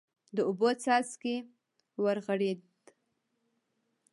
د اوبو څاڅکی ورغړېد.